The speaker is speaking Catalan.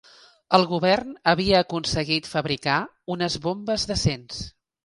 El Govern havia aconseguit fabricar unes bombes decents